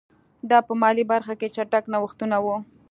دا په مالي برخه کې چټک نوښتونه وو